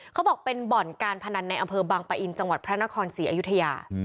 เขาบอกเป็นบ่อนการพนันในอำเภอบางปะอินจังหวัดพระนครศรีอยุธยา